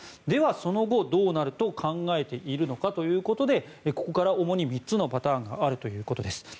では、その後どうなると考えているのかということでここから主に３つのパターンがあるということです。